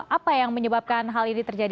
apa yang menyebabkan hal ini terjadi